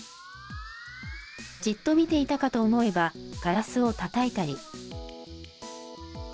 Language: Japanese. じっと見ていたかと思えば、ガラスをたたいたり。